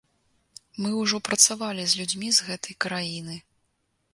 Мы ўжо працавалі з людзьмі з гэтай краіны.